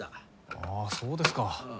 ああそうですか。